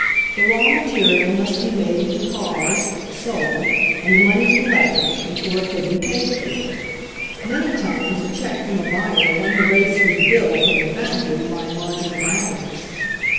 The raw material must be made into cars, sold, and the money collected, before it could be paid for. Many times a check from 124 HENRY FORD'S OWN STORY a buyer won the race with the bill from the foun dry by a margin of hours.